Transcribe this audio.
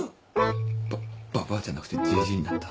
バババアじゃなくてジジイになった。